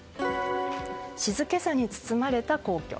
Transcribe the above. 静けさに包まれた皇居。